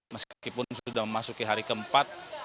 meskipun sudah memasuki hari keempat